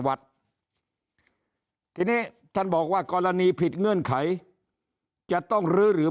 วัดทีนี้ท่านบอกว่ากรณีผิดเงื่อนไขจะต้องลื้อหรือ